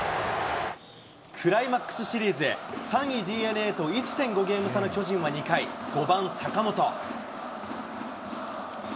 クライマックスシリーズ、３位ＤｅＮＡと１．５ゲーム差の巨人は２回、５番坂本。